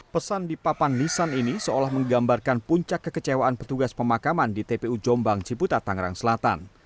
pesan di papan nisan ini seolah menggambarkan puncak kekecewaan petugas pemakaman di tpu jombang ciputat tangerang selatan